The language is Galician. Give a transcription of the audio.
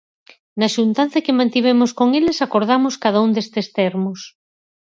Na xuntanza que mantivemos con eles acordamos cada un destes termos.